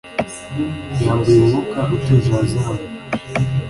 yambuye umwuka utuje wa zahabu